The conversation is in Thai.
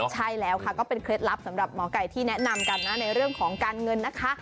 ใช่แล้วค่ะก็เป็นเคล็ดลับสำหรับหมอไก่ที่แนะนำกันนะในเรื่องของการเงินนะคะ